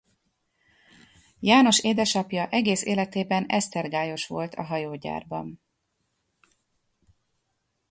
János édesapja egész életében esztergályos volt a hajógyárban.